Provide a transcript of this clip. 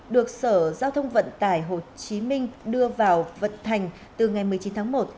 được sở giao thông vận tải tp hcm đưa vào vận hành từ ngày một mươi chín tháng một